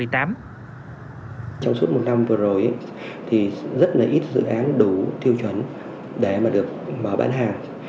trong suốt một năm vừa rồi thì rất là ít dự án đủ tiêu chuẩn để mà được mở bán hàng